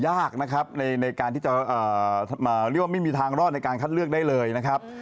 ยากนะครับในการที่จะเรียกว่าไม่มีทางรอดในการคัดเลือกได้เลยนะครับ